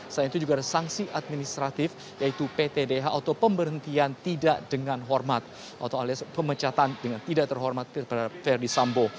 selain itu juga ada sanksi administratif yaitu ptdh atau pemberhentian tidak dengan hormat atau alias pemecatan dengan tidak terhormat kepada verdi sambo